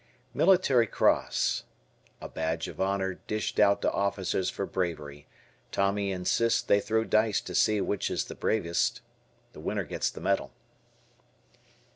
Military Cross. A badge of honor dished out to officers for bravery. Tommy insists they throw dice to see which is the bravest. The winner gets the medal.